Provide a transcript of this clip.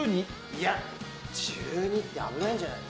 いや、１２って危ないんじゃない？